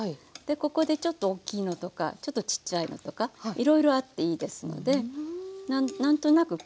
ここでちょっとおっきいのとかちょっとちっちゃいのとかいろいろあっていいですので何となくこう分けていきます。